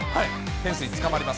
フェンスにつかまります。